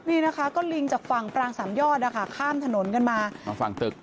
นี่นะคะก็ลิงจากฝั่งปรางสามยอดนะคะข้ามถนนกันมามาฝั่งตึก